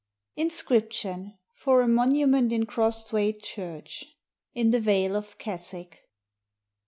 INSCRIPTION FOB, A MONUMENT IN CROSTHWAITE CHDECH, IN TEE VALE OF KESWICK.